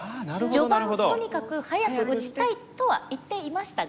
序盤とにかく早く打ちたいとは言っていましたが。